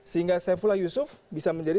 sehingga saifullah yusuf bisa menjadi